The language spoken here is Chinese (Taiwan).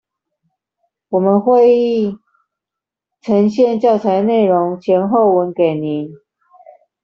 我們會呈現教材內容前後文給您